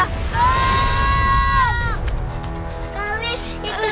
apa yang terrapet temen